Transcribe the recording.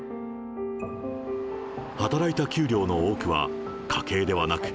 働いた給料の多くは、家計ではなく、